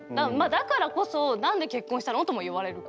だからこそ「何で結婚したの？」とも言われるから。